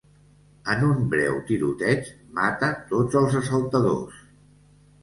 En un breu tiroteig, mata tots els assaltadors.